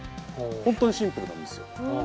ホントにシンプルなんですよ。